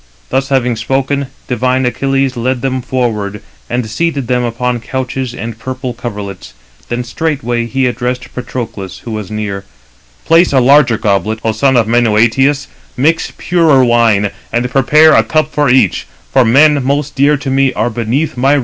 Thus having spoken, divine Achilles led them forward, and seated them upon couches and purple coverlets; then straightway he addressed Patroclus, who was near: "Place a larger goblet, O son of Menœtius, mix purer wine, 299 and prepare a cup for each, for men most dear [to me] are beneath my roof."